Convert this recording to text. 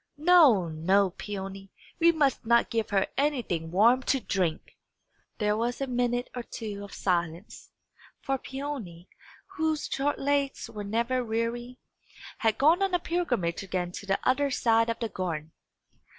No, no, Peony; we must not give her anything warm to drink!" There was a minute or two of silence; for Peony, whose short legs were never weary, had gone on a pilgrimage again to the other side of the garden.